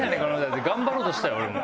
頑張ろうとしたよ俺も。